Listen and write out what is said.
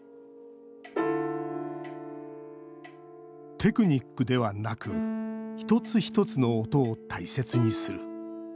テクニックではなくひとつひとつの音を大切にする。